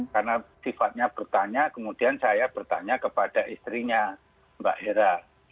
karena sifatnya bertanya kemudian saya bertanya kepada istrinya mbak hera